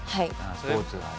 スポーツがね